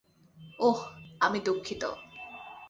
ওহ, আমি দুঃখিত।